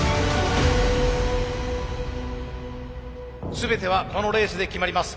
全てはこのレースで決まります。